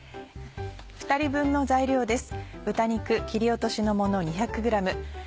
２人分の材料です。